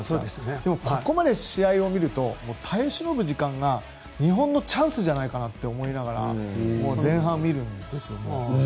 でも、ここまでの試合を見ると耐え忍ぶ時間が日本のチャンスじゃないかなと思いながら前半を見ているんですけども。